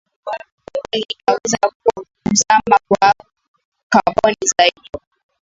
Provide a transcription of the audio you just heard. kubwa linaweza kuwa kuzama kwa kaboni zaidi